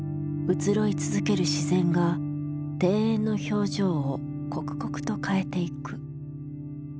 移ろい続ける自然が庭園の表情を刻々と変えていく。